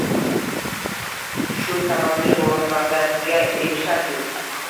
Shu sababli muvaffaqiyatga erishasiz